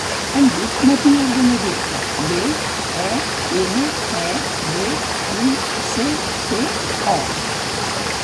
Em dic Matías Benedicto: be, e, ena, e, de, i, ce, te, o.